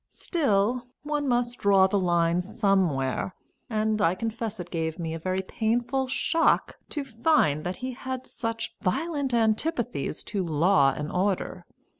Still, one must draw the line somewhere, and I confess it gave me a very painful shock to find that he had such violent antipathies to law and order.